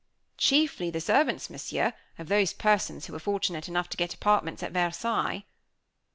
"Chiefly the servants, Monsieur, of those persons who were fortunate enough to get apartments at Versailles."